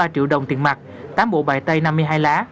ba triệu đồng tiền mặt tám bộ bài tay năm mươi hai lá